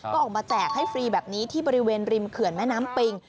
ก็ออกมาแจกให้ฟรีแบบนี้ที่บริเวณริมเขื่อนแม่น้ำปิง